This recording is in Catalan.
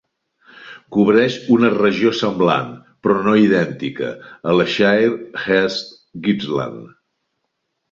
Cobreix una regió semblant, però no idèntica, a la Shire East Gippsland.